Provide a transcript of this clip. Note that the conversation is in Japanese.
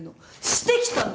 してきたの！